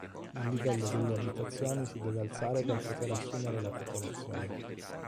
Il livello delle Abitazioni si deve alzare per poter assumere la popolazione.